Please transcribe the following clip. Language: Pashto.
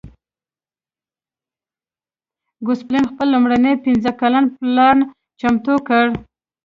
ګوسپلن خپل لومړنی پنځه کلن پلان چمتو کړ.